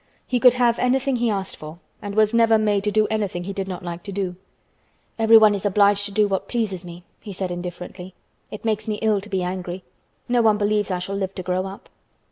He could have anything he asked for and was never made to do anything he did not like to do. "Everyone is obliged to do what pleases me," he said indifferently. "It makes me ill to be angry. No one believes I shall live to grow up."